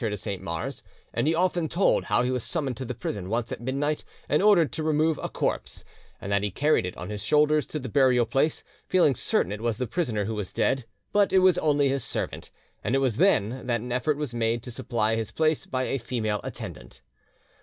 de Saint Mars, and he often told how he was summoned to the prison once at midnight and ordered to remove a corpse, and that he carried it on his shoulders to the burial place, feeling certain it was the prisoner who was dead; but it was only his servant, and it was then that an effort was made to supply his place by a female attendant."